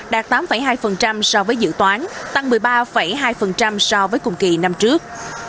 đạt tám hai so với dự toán tăng một mươi ba hai so với cùng kỳ năm trước